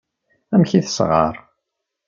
Amek i tesɣar.